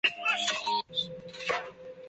将干皮肚用清水泡发至变软即可。